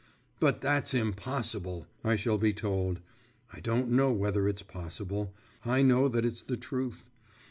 'But that's impossible!' I shall be told; I don't know whether it's possible, I know that it's the truth.